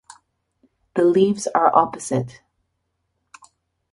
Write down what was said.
The leaves are opposite.